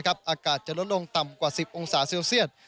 อากาศจะลดลงต่ำกว่า๑๐องศาเซลเซียต